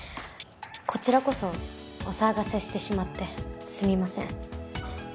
こちらこそお騒がせしてしまってすみません